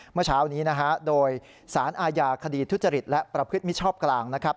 เมื่อเช้านี้นะฮะโดยสารอาญาคดีทุจริตและประพฤติมิชชอบกลางนะครับ